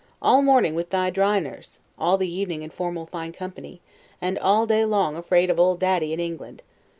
All morning with thy dry nurse; all the evening in formal fine company; and all day long afraid of Old Daddy in England.